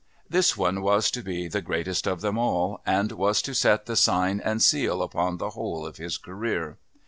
This one was to be the greatest of them all, and was to set the sign and seal upon the whole of his career.